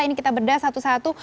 ini kita bedah satu satu